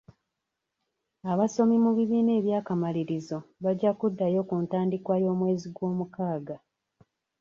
Abasomi mu bibiina ebya kamalirizo bajja kuddayo ku ntandiikwa y'omwezi gw'omukaaga.